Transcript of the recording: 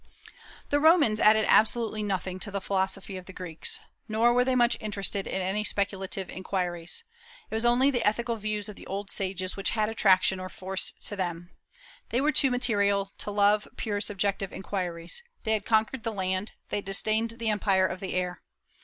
The Romans added absolutely nothing to the philosophy of the Greeks. Nor were they much interested in any speculative inquiries. It was only the ethical views of the old sages which had attraction or force to them. They were too material to love pure subjective inquiries. They had conquered the land; they disdained the empire of the air.